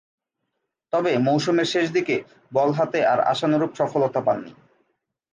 তবে, মৌসুমের শেষদিকে বল হাতে আর আশানুরূপ সফলতা পাননি।